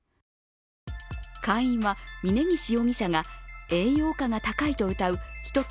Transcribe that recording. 会員は峯岸容疑者が栄養価が高いとうたう一つ